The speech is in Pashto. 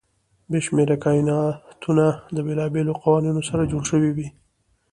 بې شمېره کایناتونه د بېلابېلو قوانینو سره جوړ شوي وي.